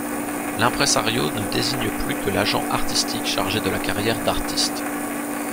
L'impresario ne désigne plus que l'agent artistique chargé de la carrière d'artistes.